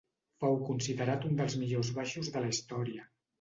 Fou considerat un dels millors baixos de la història.